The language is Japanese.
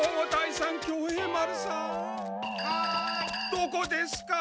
どこですか？